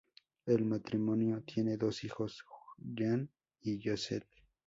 El matrimonio tiene dos hijos, Jan y Josette.